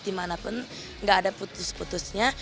dimanapun nggak ada putus putusnya